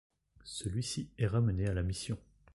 Celui-ci est ramené à la mission.